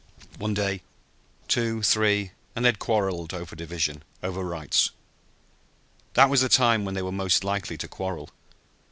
One day, two, three and they had quarreled over division, over rights. That was the time when they were most likely to quarrel.